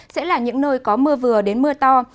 sẽ là những nơi có mưa vừa đến mưa to